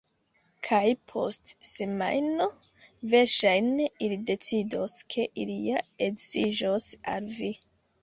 Kaj post semajno, verŝajne, ili decidos ke ili ja edziĝos al vi.